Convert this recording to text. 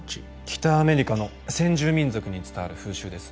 北アメリカの先住民族に伝わる風習です。